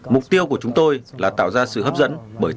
mục tiêu của chúng tôi là tạo ra những bản vẽ đặc biệt